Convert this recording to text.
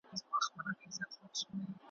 له چا ټوله نړۍ پاته له چا یو قلم پاتیږي `